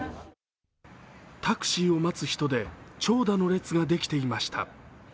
タクシーを待つ人で長蛇の列ができていました。